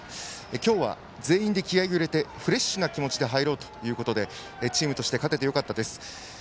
今日は全員で気合いを入れてフレッシュな気持ちで入ろということでチームとして勝ててよかったです。